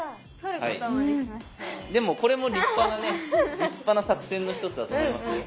でもこれも立派なね立派な作戦の一つだと思いますよ。